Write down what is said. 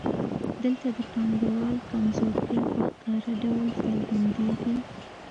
دلته د پانګوال کمزورتیا په ښکاره ډول څرګندېږي